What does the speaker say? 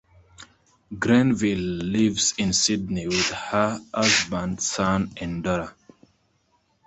Grenville lives in Sydney with her husband, son and daughter.